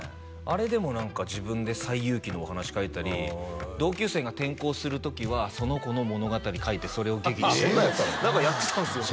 あれでも何か自分で「西遊記」のお話書いたり同級生が転校する時はその子の物語書いてそれを劇したり何かやってたんすよね